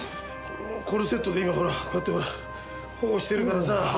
コルセットで今ほらこうやって保護してるからさ